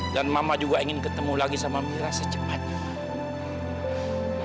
dan mama juga ingin ketemu lagi sama mira secepatnya ma